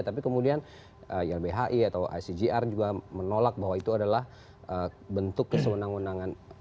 tapi kemudian ylbhi atau icgr juga menolak bahwa itu adalah bentuk kesewenang wenangan